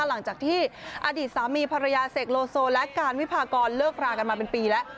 หลังจากที่อดีตสามีภรรยาเสกโลโซและการวิพากรเลิกรากันมาเป็นปีแล้ว